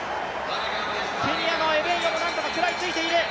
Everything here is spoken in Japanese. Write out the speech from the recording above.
ケニアのエベンヨも何とか食らいついている。